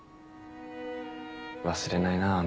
忘れないな